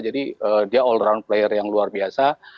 jadi dia pemain yang luar biasa